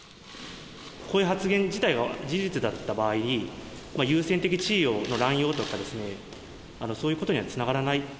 こういう発言自体が事実だった場合に、優先的地位の乱用とか、そういうことにはつながらない？